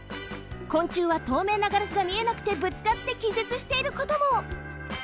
昆虫はとうめいなガラスが見えなくてぶつかってきぜつしていることも！